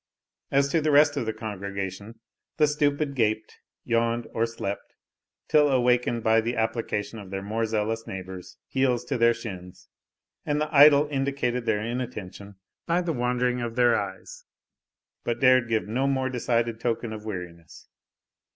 As to the rest of the congregation, the stupid gaped, yawned, or slept, till awakened by the application of their more zealous neighbours' heels to their shins; and the idle indicated their inattention by the wandering of their eyes, but dared give no more decided token of weariness.